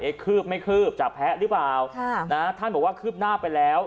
คืบไม่คืบจะแพ้หรือเปล่าค่ะนะท่านบอกว่าคืบหน้าไปแล้ว